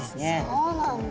そうなんだ。